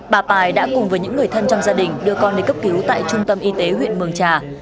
bà tài đã cùng với những người thân trong gia đình đưa con đi cấp cứu tại trung tâm y tế huyện mường trà